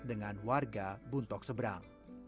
dengan warga buntok seberang